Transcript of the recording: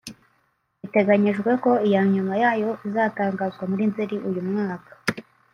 biteganyijwe ko iya nyuma yayo izatangazwa muri Nzeri uyu mwaka